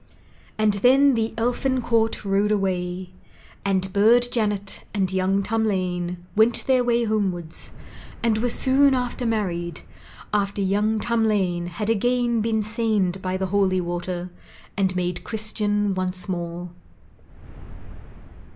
And then the Elfin court rode away, and Burd Janet and young Tamlane went their way homewards and were soon after married after young Tamlane had again been sained by the holy water and made Christian once more.